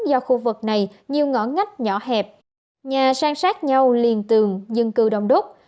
do khu vực này nhiều ngõ ngách nhỏ hẹp nhà sang sát nhau liền tường dân cư đông đúc